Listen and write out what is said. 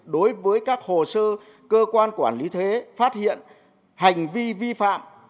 đối với các hồ sơ cơ quan quản lý thuế phát hiện hành vi vi phạm